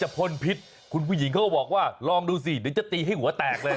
พลพิษคุณผู้หญิงเขาก็บอกว่าลองดูสิเดี๋ยวจะตีให้หัวแตกเลย